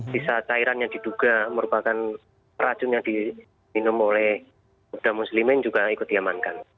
sisa cairan yang diduga merupakan racun yang diminum oleh muslimin juga ikut diamankan